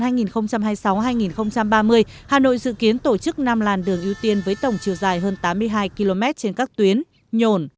hà nội dự kiến tổ chức năm làn đường ưu tiên với tổng chiều dài hơn tám mươi hai km trên các tuyến nhổn